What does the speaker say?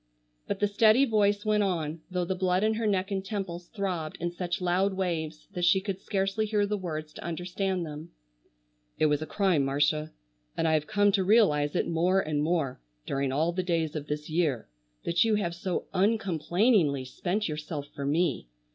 But the steady voice went on, though the blood in her neck and temples throbbed in such loud waves that she could scarcely hear the words to understand them. "It was a crime, Marcia, and I have come to realize it more and more during all the days of this year that you have so uncomplainingly spent yourself for me.